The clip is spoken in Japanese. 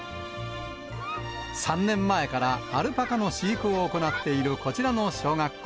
３年前からアルパカの飼育を行っているこちらの小学校。